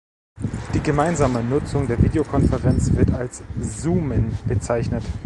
Die gemeinsame Nutzung der Videokonferenz wird als "zoomen" bezeichnet.